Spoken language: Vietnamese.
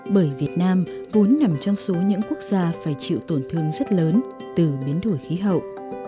bởi việt nam vốn nằm trong số những quốc gia phải chịu tổn thương rất lớn từ biến đổi khí hậu